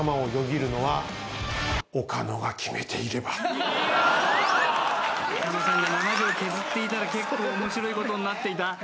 岡野さんが７秒削っていたら結構面白いことになっていた。